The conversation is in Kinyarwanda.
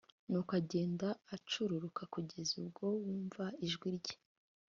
nuko agenda acururuka kugeza ubwo wumva ijwi rye